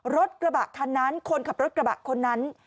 รถกระบะคันนั้นคนขับรถกระบะคนนั้น